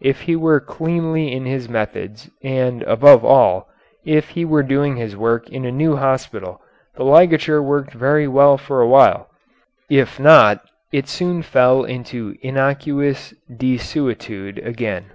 If he were cleanly in his methods and, above all, if he were doing his work in a new hospital, the ligature worked very well for a while. If not, it soon fell into innocuous desuetude again.